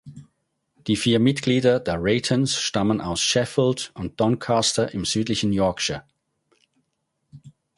Die vier Mitglieder der Reytons stammen aus Sheffield und Doncaster im südlichen Yorkshire.